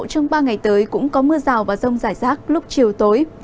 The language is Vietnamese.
trong ba ngày tới cũng có mưa rào và rông rải rác lúc chiều tối